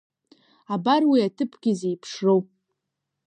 Абар уи аҭыԥгьы зеиԥшроу…